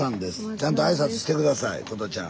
ちゃんと挨拶して下さい琴ちゃん。